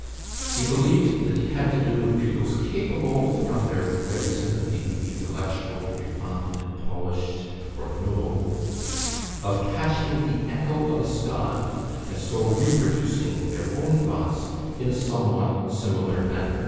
He believed that he had to do with pupils capable, from their ready sympathy with the intellectual, the refined, the polished, or the noble, of catching the echo of a style, and so reproducing their own thoughts in a somewhat similar manner.